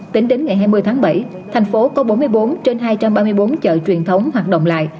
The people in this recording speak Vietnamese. tính đến ngày hai mươi tháng bảy thành phố có bốn mươi bốn trên hai trăm ba mươi bốn chợ truyền thống hoạt động lại